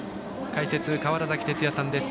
解説、川原崎哲也さんです。